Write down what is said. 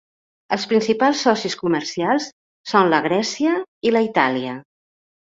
Els principals socis comercials són la Grècia i la Itàlia.